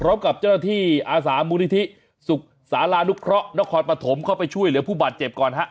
พร้อมกับเจ้าหน้าที่อาสามูลนิธิสุขศาลานุเคราะห์นครปฐมเข้าไปช่วยเหลือผู้บาดเจ็บก่อนฮะ